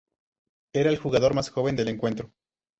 Era el jugador más joven del encuentro.